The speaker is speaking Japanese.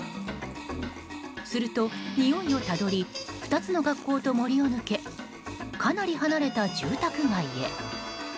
すると、においをたどり２つの学校と森を抜けかなり離れた住宅街へ。